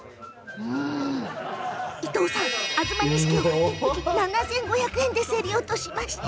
伊藤さん、東錦を１匹７５００円で競り落としました。